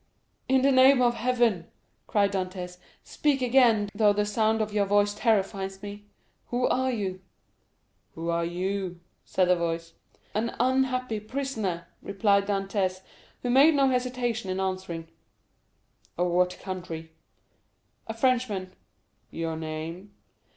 "In the name of Heaven," cried Dantès, "speak again, though the sound of your voice terrifies me. Who are you?" "Who are you?" said the voice. "An unhappy prisoner," replied Dantès, who made no hesitation in answering. "Of what country?" "A Frenchman." "Your name?"